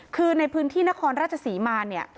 คือในพื้นที่นครราชศรีมาเนี่ย